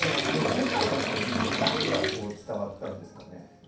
世界の人に何が伝わったんですかね？